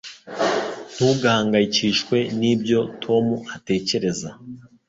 Ntugahangayikishwe nibyo Tom atekereza